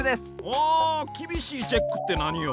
ほうきびしいチェックってなによ？